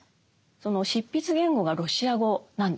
その執筆言語がロシア語なんですね。